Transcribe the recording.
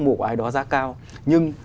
mua của ai đó giá cao nhưng